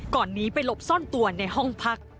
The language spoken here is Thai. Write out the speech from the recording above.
หนีไปหลบซ่อนตัวในห้องพัก